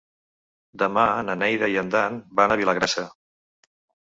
Demà na Neida i en Dan van a Vilagrassa.